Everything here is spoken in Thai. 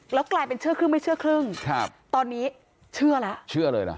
แล้วกลายเป็นเชื่อครึ่งไม่เชื่อครึ่งครับตอนนี้เชื่อแล้วเชื่อเลยเหรอ